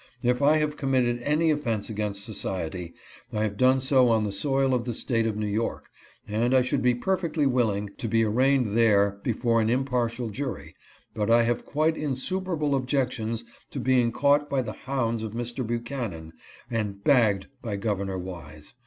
If I have com mitted any offense against society I have done so on the soil of the State of New York, and I should be perfectly willing to be arraigned there before an impartial jury; but I have quite insuperable objections to being caught by the hounds of Mr. Buchanan, and "bagged" by Gov. "Wise.